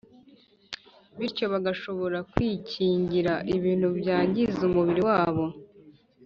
bityo bagashobora kwikingira ibintu byangiza umubiri wabo